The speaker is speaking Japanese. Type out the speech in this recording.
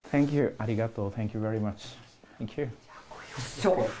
ありがとう。